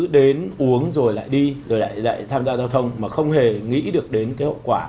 đến uống rồi lại đi rồi lại tham gia giao thông mà không hề nghĩ được đến cái hậu quả